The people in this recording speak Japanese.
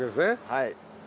はい。